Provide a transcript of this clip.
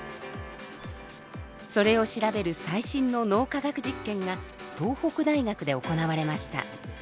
それを調べる最新の脳科学実験が東北大学で行われました。